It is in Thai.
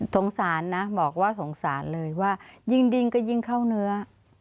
สงสารนะบอกว่าสงสารเลยว่ายิ่งดิ้งก็ยิ่งเข้าเนื้อ